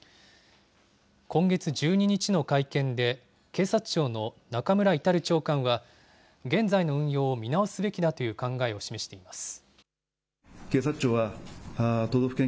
今月１２日の会見で、警察庁の中村格長官は、現在の運用を見直すべきだという考えを示しています。